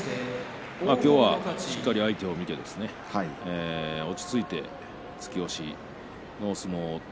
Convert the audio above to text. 今日はしっかり相手を見て落ち着いて突き押し。